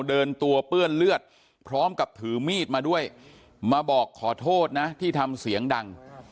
เดินตัวเปื้อนเลือดพร้อมกับถือมีดมาด้วยมาบอกขอโทษนะที่ทำเสียงดัง